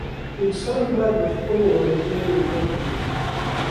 انسان باید له خپلو غلطیو نه عبرت و مومي.